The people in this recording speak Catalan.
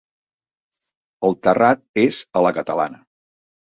El terrat és a la catalana.